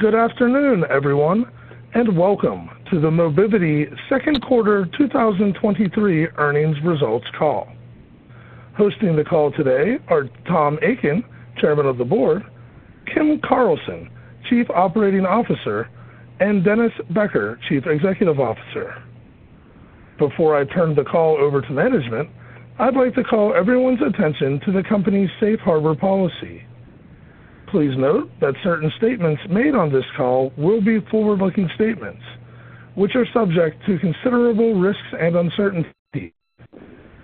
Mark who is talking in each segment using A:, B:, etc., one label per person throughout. A: Good afternoon, everyone, and welcome to the Mobivity Q2 2023 Earnings Results Call. Hosting the call today are Tom Akin, Chairman of the Board, Kim Carlson, Chief Operating Officer, and Dennis Becker, Chief Executive Officer. Before I turn the call over to management, I'd like to call everyone's attention to the company's safe harbor policy. Please note that certain statements made on this call will be forward-looking statements, which are subject to considerable risks and uncertainty.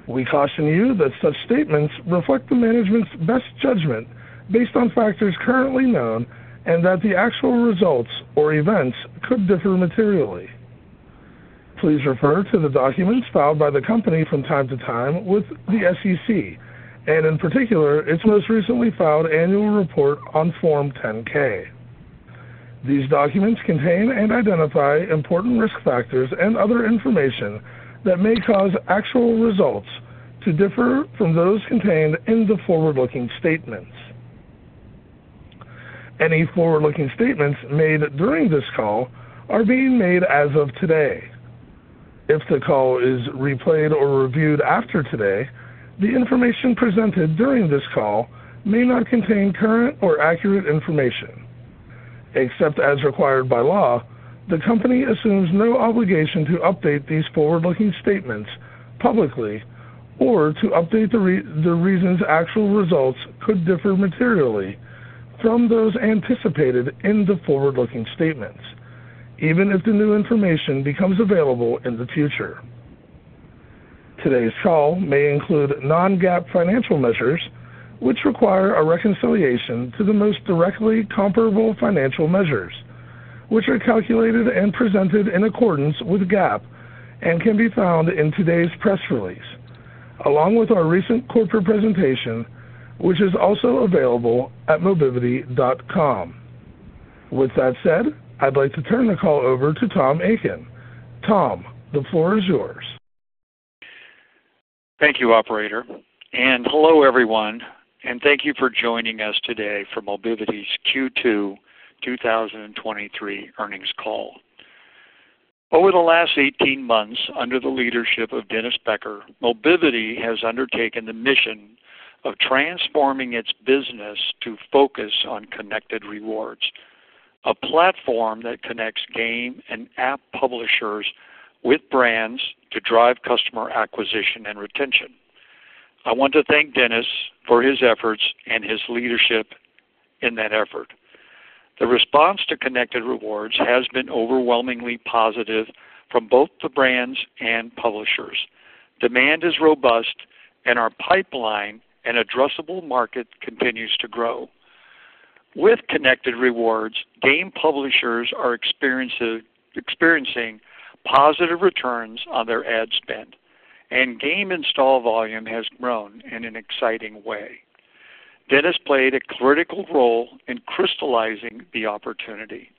A: We caution you that such statements reflect the management's best judgment based on factors currently known, and that the actual results or events could differ materially. Please refer to the documents filed by the company from time to time with the SEC, and in particular, its most recently filed annual report on Form 10-K. These documents contain and identify important risk factors and other information that may cause actual results to differ from those contained in the forward-looking statements. Any forward-looking statements made during this call are being made as of today. If the call is replayed or reviewed after today, the information presented during this call may not contain current or accurate information. Except as required by law, the company assumes no obligation to update these forward-looking statements publicly or to update the reasons actual results could differ materially from those anticipated in the forward-looking statements, even if the new information becomes available in the future. Today's call may include non-GAAP financial measures, which require a reconciliation to the most directly comparable financial measures, which are calculated and presented in accordance with GAAP and can be found in today's press release, along with our recent corporate presentation, which is also available at mobivity.com. With that said, I'd like to turn the call over to Tom Akin. Tom, the floor is yours.
B: Thank you, operator, and hello, everyone, and thank you for joining us today for Mobivity's Q2 2023 Earnings Call. Over the last 18 months, under the leadership of Dennis Becker, Mobivity has undertaken the mission of transforming its business to focus on Connected Rewards, a platform that connects game and app publishers with brands to drive customer acquisition and retention. I want to thank Dennis for his efforts and his leadership in that effort. The response to Connected Rewards has been overwhelmingly positive from both the brands and publishers. Demand is robust, and our pipeline and addressable market continues to grow. With Connected Rewards, game publishers are experiencing positive returns on their ad spend, and game install volume has grown in an exciting way. Dennis played a critical role in crystallizing the opportunity,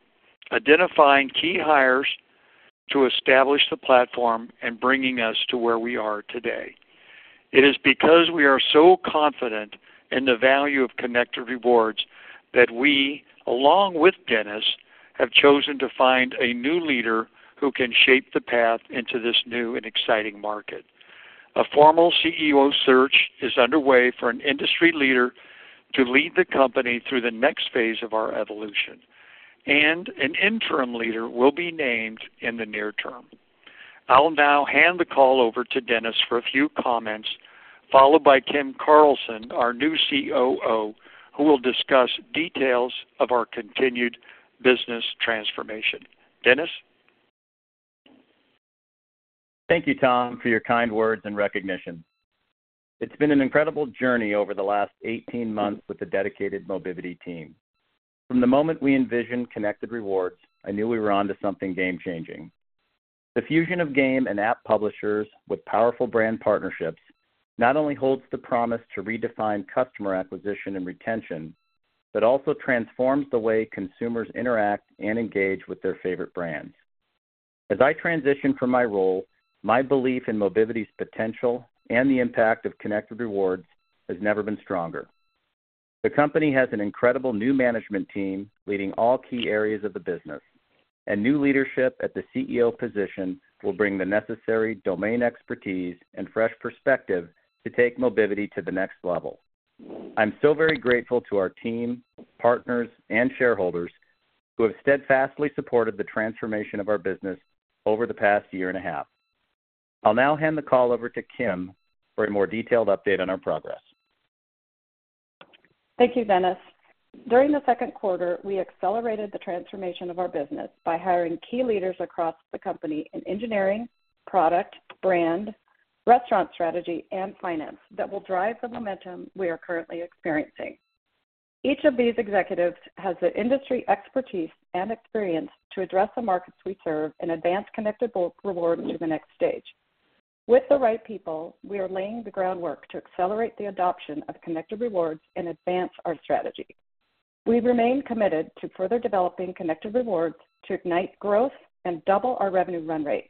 B: identifying key hires to establish the platform and bringing us to where we are today. It is because we are so confident in the value of Connected Rewards that we, along with Dennis, have chosen to find a new leader who can shape the path into this new and exciting market. A formal CEO search is underway for an industry leader to lead the company through the next phase of our evolution. An interim leader will be named in the near term. I'll now hand the call over to Dennis for a few comments, followed by Kim Carlson, our new COO, who will discuss details of our continued business transformation. Dennis?
C: Thank you, Tom, for your kind words and recognition. It's been an incredible journey over the last 18 months with the dedicated Mobivity team. From the moment we envisioned Connected Rewards, I knew we were onto something game-changing. The fusion of game and app publishers with powerful brand partnerships not only holds the promise to redefine customer acquisition and retention, but also transforms the way consumers interact and engage with their favorite brands. As I transition from my role, my belief in Mobivity's potential and the impact of Connected Rewards has never been stronger. The company has an incredible new management team leading all key areas of the business, and new leadership at the CEO position will bring the necessary domain expertise and fresh perspective to take Mobivity to the next level. I'm so very grateful to our team, partners, and shareholders who have steadfastly supported the transformation of our business over the past year and a half. I'll now hand the call over to Kim for a more detailed update on our progress.
D: Thank you, Dennis. During the Q2, we accelerated the transformation of our business by hiring key leaders across the company in engineering, product, brand, restaurant strategy, and finance that will drive the momentum we are currently experiencing. Each of these executives has the industry expertise and experience to address the markets we serve and advance Connected Rewards to the next stage. With the right people, we are laying the groundwork to accelerate the adoption of Connected Rewards and advance our strategy. We remain committed to further developing Connected Rewards to ignite growth and double our revenue run rate....This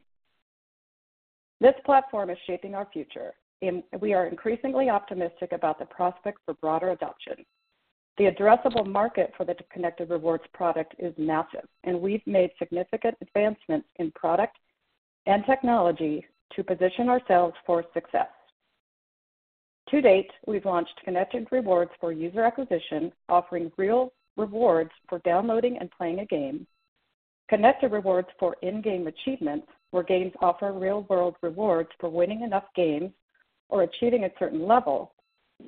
D: platform is shaping our future, and we are increasingly optimistic about the prospects for broader adoption. The addressable market for the Connected Rewards product is massive, and we've made significant advancements in product and technology to position ourselves for success. To date, we've launched Connected Rewards for user acquisition, offering real rewards for downloading and playing a game. Connected Rewards for in-game achievements, where games offer real-world rewards for winning enough games or achieving a certain level.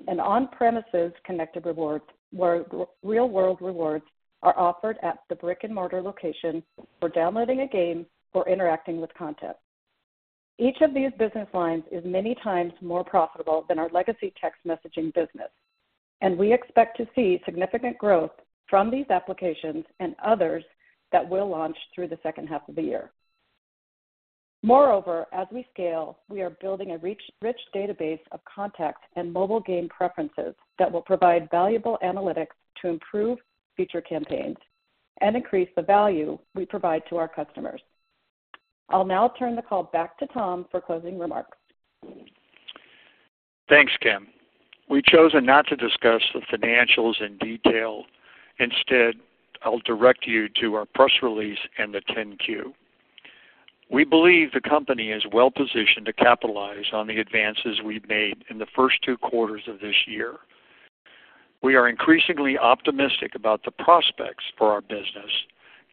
D: On-premises Connected Rewards, where real-world rewards are offered at the brick-and-mortar location for downloading a game or interacting with content. Each of these business lines is many times more profitable than our legacy text messaging business, and we expect to see significant growth from these applications and others that we'll launch through the second half of the year. Moreover, as we scale, we are building a rich, rich database of contacts and mobile game preferences that will provide valuable analytics to improve future campaigns and increase the value we provide to our customers. I'll now turn the call back to Tom for closing remarks.
B: Thanks, Kim. We've chosen not to discuss the financials in detail. Instead, I'll direct you to our press release and the 10-Q. We believe the company is well positioned to capitalize on the advances we've made in the first two quarters of this year. We are increasingly optimistic about the prospects for our business,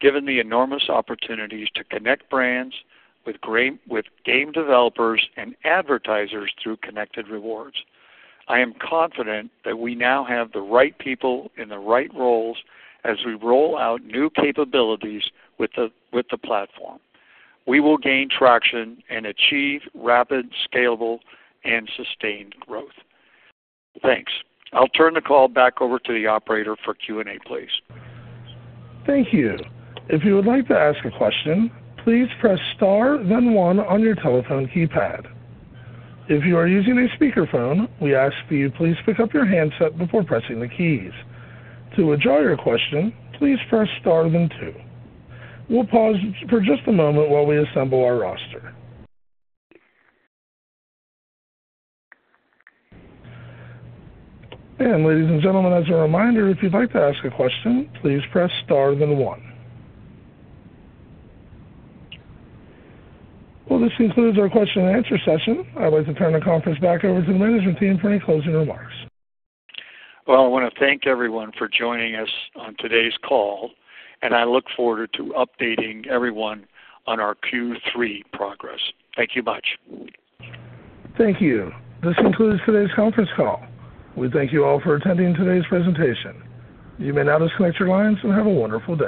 B: given the enormous opportunities to connect brands with game developers and advertisers through Connected Rewards. I am confident that we now have the right people in the right roles as we roll out new capabilities with the platform. We will gain traction and achieve rapid, scalable, and sustained growth. Thanks. I'll turn the call back over to the operator for Q&A, please.
A: Thank you. If you would like to ask a question, please press star then one on your telephone keypad. If you are using a speakerphone, we ask that you please pick up your handset before pressing the keys. To withdraw your question, please press star then two. We'll pause for just a moment while we assemble our roster. Ladies and gentlemen, as a reminder, if you'd like to ask a question, please press star then one. Well, this concludes our question and answer session. I'd like to turn the conference back over to the management team for any closing remarks.
B: Well, I want to thank everyone for joining us on today's call, and I look forward to updating everyone on our Q3 progress. Thank you much.
A: Thank you. This concludes today's conference call. We thank you all for attending today's presentation. You may now disconnect your lines and have a wonderful day.